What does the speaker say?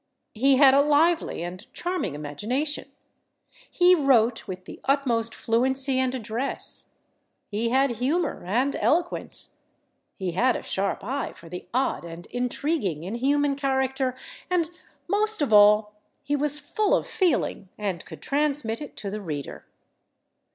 He had a lively and charming imagination, he wrote with the utmost fluency and address, he had humor and eloquence, he had a sharp eye for the odd and intriguing in human character, and, most of all, he was full of feeling and could transmit it to the reader.